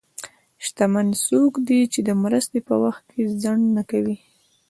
شتمن څوک دی چې د مرستې په وخت کې ځنډ نه کوي.